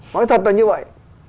nói thật là như vậy